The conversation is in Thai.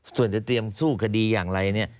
ส่วนจะเตรียมสู้คดีอย่างไรเนี่ย